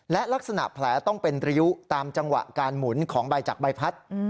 และลักษณะแผลต้องเป็นริยุตามจังหวะการหมุนของใบจักรใบพัด